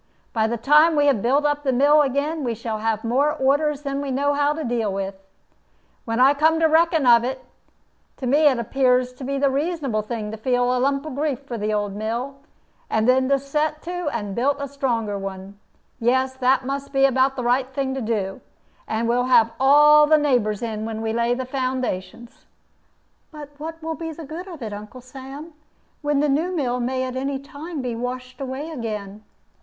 By the time we have built up the mill again we shall have more orders than we know how to do with. When I come to reckon of it, to me it appears to be the reasonable thing to feel a lump of grief for the old mill, and then to set to and build a stronger one. Yes, that must be about the right thing to do. And we'll have all the neighbors in when we lay foundations." "But what will be the good of it, Uncle Sam, when the new mill may at any time be washed away again?"